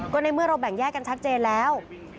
ก็ในเมื่อเราแบ่งแยกกันชัดเจนแล้ว